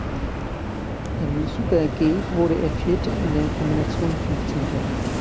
Im Super-G wurde er Vierter, in der Kombination Fünfzehnter.